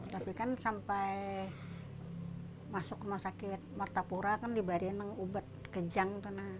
tapi kan sampai masuk rumah sakit mata pura kan dibayarin obat kejang